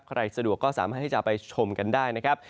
สะดวกก็สามารถที่จะไปชมกันได้นะครับ